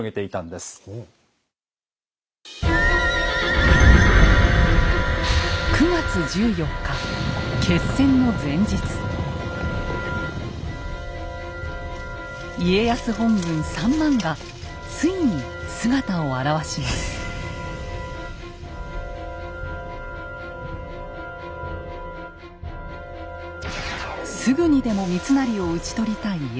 すぐにでも三成を討ち取りたい家康。